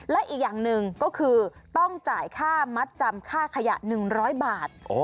และอีกอย่างหนึ่งก็คือต้องจ่ายค่ามัดจำค่าขยะ๑๐๐บาท